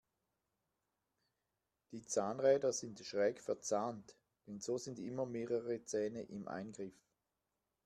Die Zahnräder sind schräg verzahnt, denn so sind immer mehrere Zähne im Eingriff.